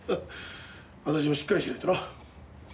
私もしっかりしないとな。